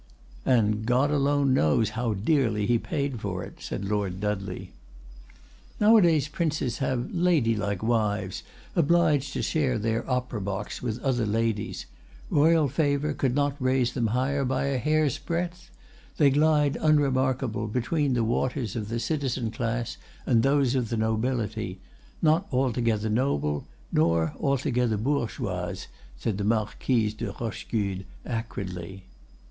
"And God alone knows how dearly he paid for it," said Lord Dudley. "Nowadays princes have lady like wives, obliged to share their opera box with other ladies; royal favor could not raise them higher by a hair's breadth; they glide unremarkable between the waters of the citizen class and those of the nobility—not altogether noble nor altogether bourgeoises," said the Marquise de Rochegude acridly.